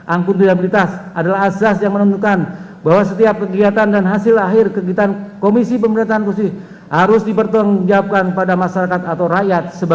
angkut durabilitas adalah asas yang menunjukkan bahwa setiap kegiatan dan hasil akhir kegiatan komisi pemberantasan korupsi harus dipertanggungjawab